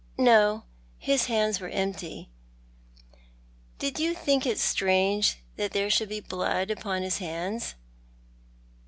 " No. His hands were empty." " Did you think it strange that there" should be blood upon his hands